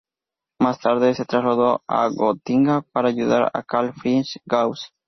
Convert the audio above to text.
Más tarde se trasladó a Gotinga para ayudar a Carl Friedrich Gauss.